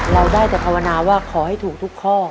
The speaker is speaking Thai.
เราได้แต่ภาวนาว่าขอให้ถูกทุกข้อ